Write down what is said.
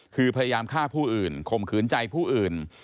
คือพยายามฆ่าผู้อื่นข่มขืนใจผู้อื่น